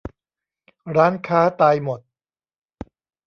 ร้านค้าตายหมด